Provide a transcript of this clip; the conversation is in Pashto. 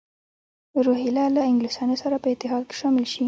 روهیله له انګلیسیانو سره په اتحاد کې شامل شي.